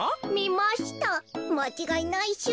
まちがいないっしゅ。